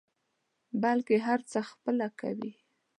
بلکې هر څه خپله کوي.